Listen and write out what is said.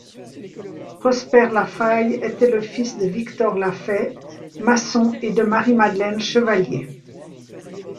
Prosper Lafaye était le fils de Victor Lafaist, maçon et de Marie-Madeleine Chevalier.